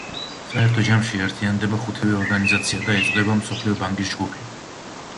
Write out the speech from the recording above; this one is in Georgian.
საერთო ჯამში ერთიანდება ხუთივე ორგანიზაცია და ეწოდება მსოფლიო ბანკის ჯგუფი.